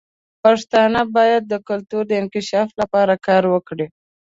پښتانه باید د کلتور د انکشاف لپاره کار وکړي.